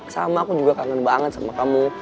sama aku juga kangen banget sama kamu